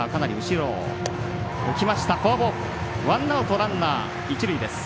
ワンアウト、ランナー、一塁です。